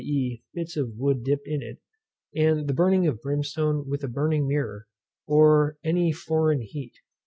e._ bits of wood dipped in it) and the burning of brimstone with a burning mirror, or any foreign heat.